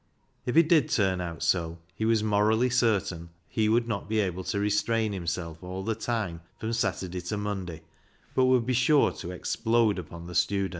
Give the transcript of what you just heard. If it did turn out so, he was morally certain he would not be able to restrain himself all the time from Saturday to Monday, but would be sure to explode upon the student.